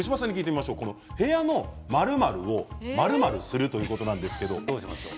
部屋の○○を○○するということなんですが何でしょうか。